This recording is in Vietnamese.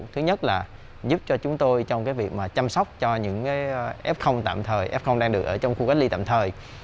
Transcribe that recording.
thứ nhất là giúp cho chúng tôi trong việc chăm sóc cho những f đang được ở trong khu cách ly tạm thời